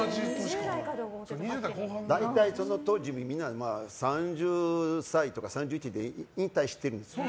大体その当時みんな３０歳とか３１歳で引退しているんです。